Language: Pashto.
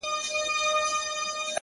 • حقيقت پوښتنه کوي له انسانه..